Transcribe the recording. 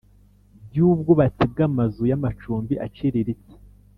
By Ubwubatsi Bw Amazu Y Amacumbi Aciriritse